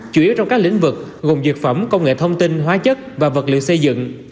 chủ yếu trong các lĩnh vực gồm dược phẩm công nghệ thông tin hóa chất và vật liệu xây dựng